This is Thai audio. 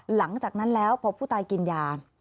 หลังจากนั้นแล้วพอผู้ตายกินยา